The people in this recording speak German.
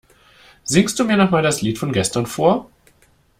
Singst du mir noch mal das Lied von gestern vor?